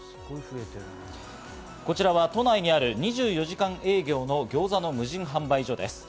こちらは都内にある２４時間営業のギョーザの無人販売所です。